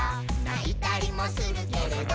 「ないたりもするけれど」